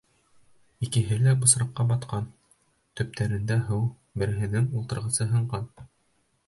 Икеһе лә бысраҡҡа батҡан, төптәрендә һыу, береһенең ултырғысы һынған.